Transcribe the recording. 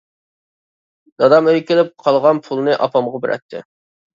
دادام ئۆيگە كېلىپ قالغان پۇلنى ئاپامغا بېرەتتى.